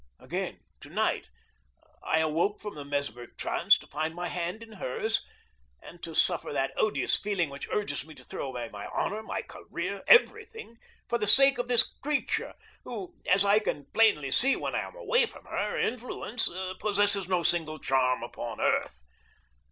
Again, tonight, I awoke from the mesmeric trance to find my hand in hers, and to suffer that odious feeling which urges me to throw away my honor, my career, every thing, for the sake of this creature who, as I can plainly see when I am away from her influence, possesses no single charm upon earth.